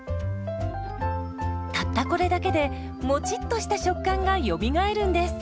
たったこれだけでもちっとした食感がよみがえるんです。